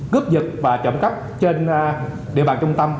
cướp giật và trộm cắp trên địa bàn trung tâm